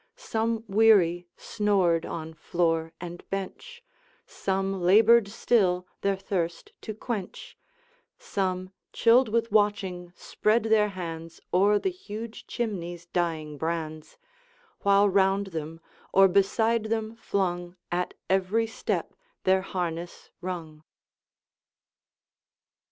Some, weary, snored on floor and bench; Some labored still their thirst to quench; Some, chilled with watching, spread their hands O'er the huge chimney's dying brands, While round them, or beside them flung, At every step their harness rung.